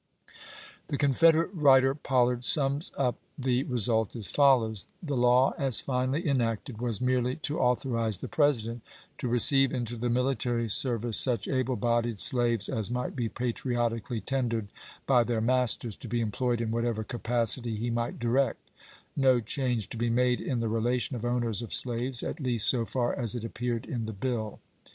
The Confederate writer Pollard sums up the re sult as follows :" The law, as finally enacted, was merely to authorize the President to receive into the military service such able bodied slaves as might be patriotically tendered by their masters, to be employed in whatever capacity he might direct ; no change to be made in the relation of owners of slaves, at least so far as it appeared in the bill.